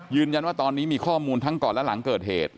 ยืนยันว่าตอนนี้มีข้อมูลทั้งก่อนและหลังเกิดเหตุ